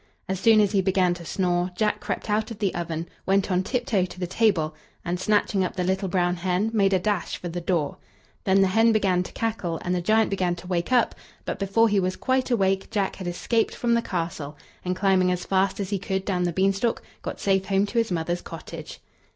As soon as he began to snore, Jack crept out of the oven, went on tiptoe to the table, and, snatching up the little brown hen, made a dash for the door. Then the hen began to cackle, and the giant began to wake up; but before he was quite awake, Jack had escaped from the castle, and, climbing as fast as he could down the beanstalk, got safe home to his mother's cottage.